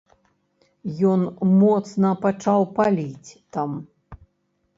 Ён моцна пачаў паліць там.